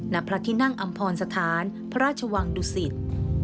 ณพระที่นั่งอำพรสถานพระราชวังดุสิต